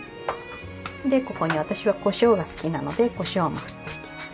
でここに私はこしょうが好きなのでこしょうも振っていきます。